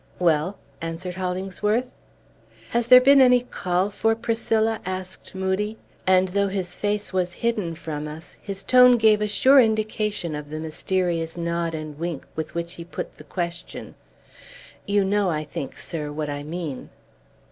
"Well," answered Hollingsworth. "Has there been any call for Priscilla?" asked Moodie; and though his face was hidden from us, his tone gave a sure indication of the mysterious nod and wink with which he put the question. "You know, I think, sir, what I mean."